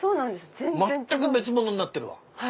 全く別物になってるわ。